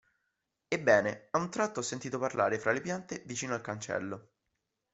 Ebbene, a un tratto ho sentito parlare fra le piante, vicino al cancello.